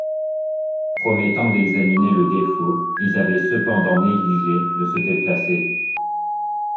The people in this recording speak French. Promettant d’examiner le défaut, ils avaient cependant négligé de se déplacer.